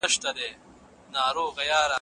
حنفي مسلک د عدالت پر بنسټ ولاړ دی.